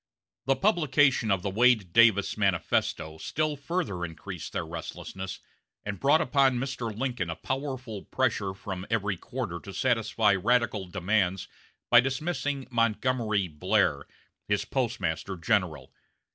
The publication of the Wade Davis manifesto still further increased their restlessness, and brought upon Mr. Lincoln a powerful pressure from every quarter to satisfy radical demands by dismissing Montgomery Blair, his Postmaster General.